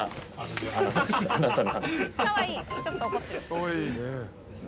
かわいいね。